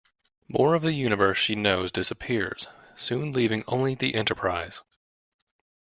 More of the universe she knows disappears, soon leaving only the "Enterprise".